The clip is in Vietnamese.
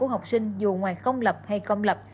học sinh dù ngoài công lập hay công lập